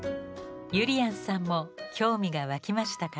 ゆりやんさんも興味が湧きましたか？